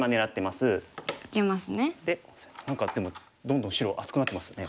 で何かでもどんどん白厚くなってますね。